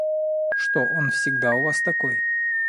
Что, он всегда у вас такой?